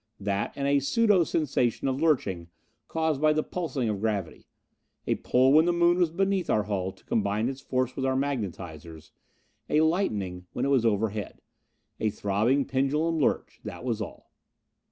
That, and a pseudo sensation of lurching caused by the pulsing of gravity a pull when the Moon was beneath our hull to combine its force with our magnetizers; a lightening when it was overhead. A throbbing, pendulum lurch that was all.